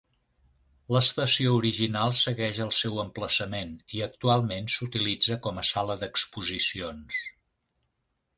L'estació original segueix al seu emplaçament i actualment s'utilitza com a sala d'exposicions.